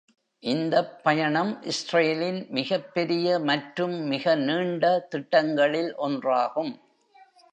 இந்தப் பயணம், இஸ்ரேலின் மிகப்பெரிய மற்றும் மிக நீண்ட திட்டங்களில் ஒன்றாகும்.